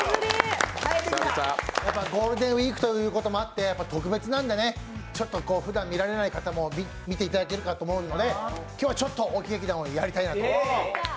やっぱりゴールデンウイークということもあって、特別なんでね、ちょっとふだん見られない方も見ていただけると思うので今日は大木劇団をやりたいなと。